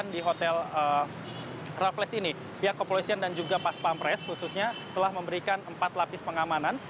yang dilakukan di hotel rafles ini pihak kepolisian dan juga paspampres khususnya telah memberikan empat lapis pengamanan